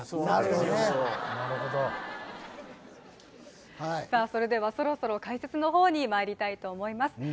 なるほどそれではそろそろ解説の方にまいりたいと思います